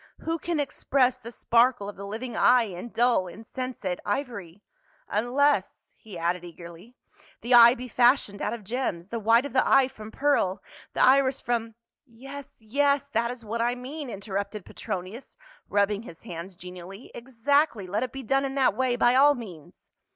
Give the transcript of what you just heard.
" Who can express the sparkle of the living eye in dull insensate ivory. Unless —" he added eagerly, "the eye be fashioned out of gems, the white of the eye from pearl, the iris from —" "Yes, yes, that is what I mean," interrupted Petro nius rubbing his hands genially, " exactly, let it be done in that way — by all means."